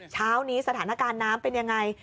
เช้านี้สถานการณ์น้ำเป็นยังไง